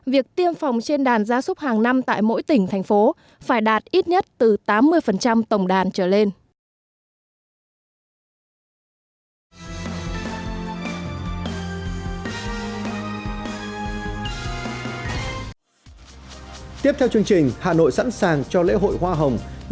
việc tiêm phòng trên đàn gia súc hàng năm tại mỗi tỉnh thành phố phải đạt ít nhất từ tám mươi tổng đàn trở lên